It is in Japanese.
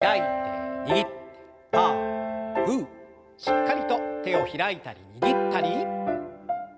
しっかりと手を開いたり握ったり。